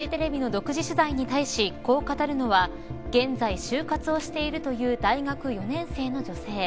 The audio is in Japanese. フジテレビの独自取材に対しこう語るのは現在、就活をしているという大学４年生の女性。